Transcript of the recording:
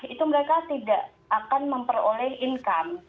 itu mereka tidak akan memperoleh income